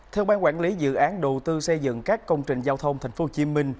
theo ban quản lý dự án đầu tư xây dựng các công trình giao thông tp hcm